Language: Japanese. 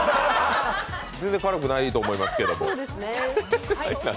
全然、辛くないと思いますけど。